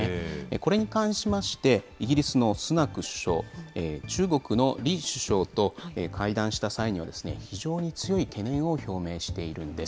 これに関しまして、イギリスのスナク首相、中国の李首相と会談した際には、非常に強い懸念を表明しているんです。